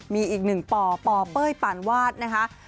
มีอีกหนึ่งป่อป่อเป้ยปานวาดนะคะ